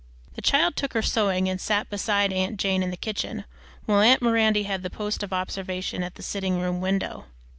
The child took her sewing and sat beside aunt Jane in the kitchen while aunt Miranda had the post of observation at the sitting room window.